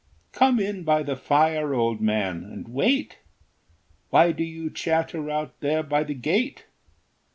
Come in by the fire, old man, and wait! Why do you chatter out there by the gate?